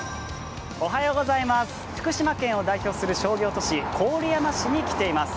福島県を代表する商業都市郡山市に来ています。